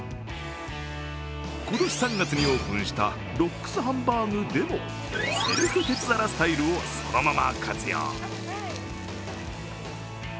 今年３月にオープンしたロックスハンバーグでも、セルフ鉄皿スタイルをそのまま活用。